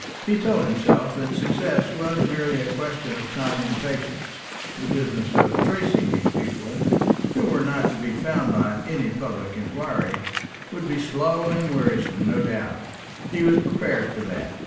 He told himself that success was merely a question of time and patience. The business of tracing these people, who were not to be found by any public inquiry, would be slow and wearisome no doubt. He was prepared for that.